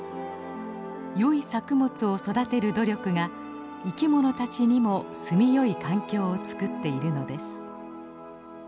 よい作物を育てる努力が生きものたちにも住みよい環境をつくっているのです。